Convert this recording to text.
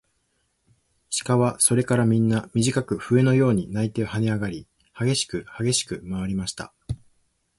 鹿はそれからみんな、みじかく笛のように鳴いてはねあがり、はげしくはげしくまわりました。